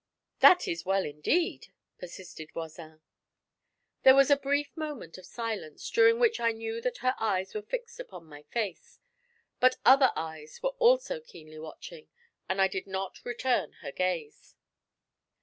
That is well indeed,' persisted Voisin. There was a brief moment of silence, during which I knew that her eyes were fixed upon my face; but other eyes were also keenly watching, and I did not return her gaze.